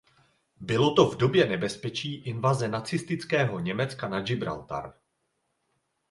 Bylo to v době nebezpečí invaze nacistického Německa na Gibraltar.